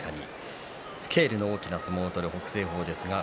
スケールの大きな相撲を取る北青鵬です。